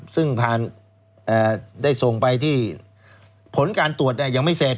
ซึ่งได้ส่งไปที่ผลการตรวจยังไม่เสร็จ